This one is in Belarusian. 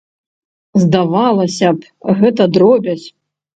Здавалася б, гэта дробязь.